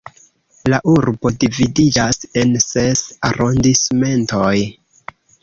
La urbo dividiĝas en ses arondismentoj.